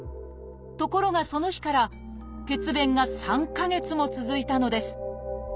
ところがその日から血便が３か月も続いたのです。